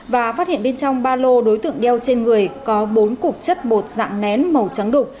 và phát hiện bên trong ba lô đối tượng đeo trên người có bốn cục chất bột dạng nén màu trắng đục